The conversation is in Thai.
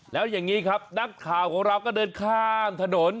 แล้วอย่างนี้ครับนักข่าวของเราก็เดินข้ามถนน